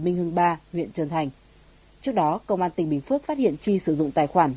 minh hưng ba huyện trần thành trước đó công an tỉnh bình phước phát hiện chi sử dụng tài khoản